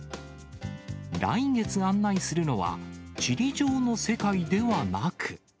来月案内するのは、地理上の世界ではなく。